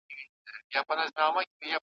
لمر لوېدلی وو هوا تیاره کېدله `